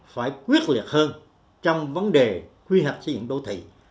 phải quyết liệt hơn trong vấn đề quy hoạch xây dựng đô thị